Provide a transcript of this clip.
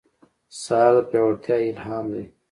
سهار د پیاوړتیا الهام دی.